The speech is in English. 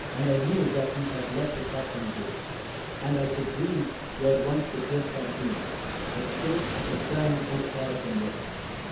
And I knew that he had let the Captain go ; And I could read, where once the jest had been, The spirit of the friend who cared the most.